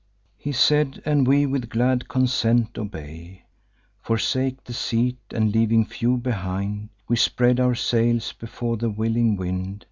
"He said; and we with glad consent obey, Forsake the seat, and, leaving few behind, We spread our sails before the willing wind.